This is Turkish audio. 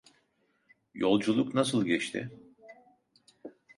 Yolculuk nasıl geçti?